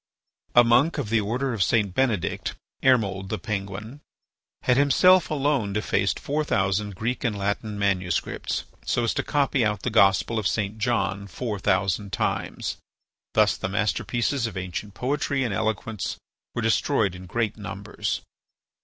A monk of the order of St. Benedict, Ermold the Penguin, had himself alone defaced four thousand Greek and Latin manuscripts so as to copy out the Gospel of St. John four thousand times. Thus the masterpieces of ancient poetry and eloquence were destroyed in great numbers.